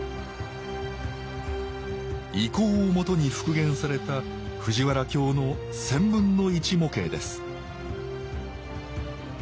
遺構を基に復元された藤原京の１０００分の１模型です